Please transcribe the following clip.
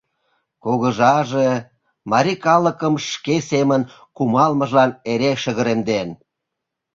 Кугыжаже марий калыкым шке семын кумалмыжлан эре шыгыремден.